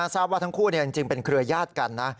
ทราบว่าทั้งคู่จริงเป็นเครือญาติกันนะ